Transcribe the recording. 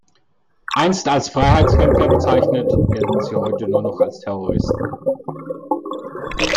Einst als Freiheitskämpfer bezeichnet, gelten sie heute nur noch als Terroristen.